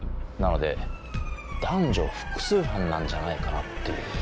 なので男女複数犯なんじゃないかなっていう。